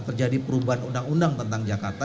terjadi perubahan undang undang tentang jakarta